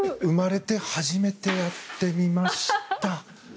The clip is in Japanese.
生まれて初めてやってみました。